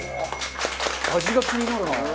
味が気になるな。